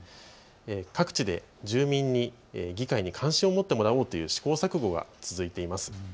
各地で住民に議会に関心を持ってもらおうという試行錯誤が続いています。